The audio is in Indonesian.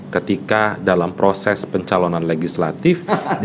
ketika dalam proses pencalonan legislatif